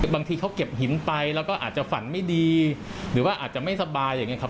บางทีเขาเก็บหินไปแล้วก็อาจจะฝันไม่ดีหรือว่าอาจจะไม่สบายอย่างนี้ครับ